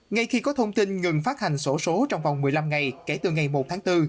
ngay khi có thông tin ngừng phát hành sổ số trong vòng một mươi năm ngày kể từ ngày một tháng bốn